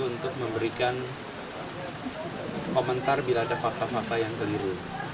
untuk memberikan komentar bila ada fakta fakta yang keliru